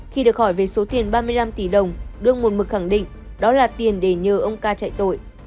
khi được hỏi về số tiền ba mươi năm tỷ đồng đương một mực khẳng định đó là tiền để nhờ ông ca chạy tội